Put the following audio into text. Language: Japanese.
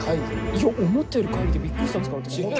いや思ったより会議でびっくりしたんですから私。